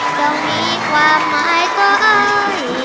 เจ้ามีความหมายกับเจ้า